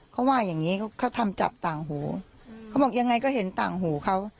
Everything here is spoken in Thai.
เขาว่าอย่างงี้เขาเขาทำจับต่างหูเขาบอกยังไงก็เห็นต่างหูเขา